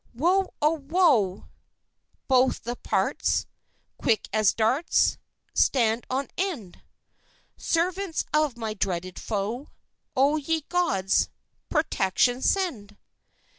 "Woe, oh, woe! Both the parts, Quick as darts, Stand on end, Servants of my dreaded foe! O ye gods, protection send!